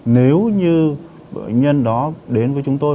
nếu như bệnh nhân đó đến với chúng tôi